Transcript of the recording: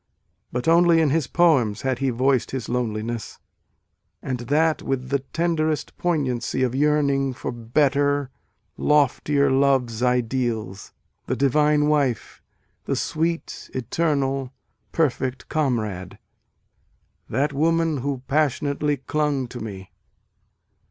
But only in his poems had he voiced his loneliness, and that with the tenderest poignancy of yearning for " better, loftier love s ideals, the divine wife, the sweet, eternal, perfect comrade" That woman who passionately clung to me.